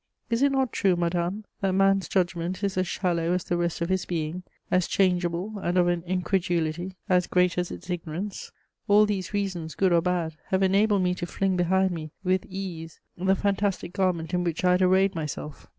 Is it not true, madame, that man's judgment is as shallow as the rest of his being, as changeable and of an incredulity as great as its ignorance? All these reasons, good or bad, have enabled me to fling behind me with ease the fantastic garment in which I had arrayed myself.